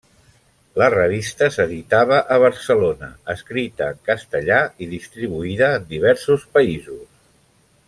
La revista s'editava a Barcelona, escrita en castellà i distribuïda en diversos països.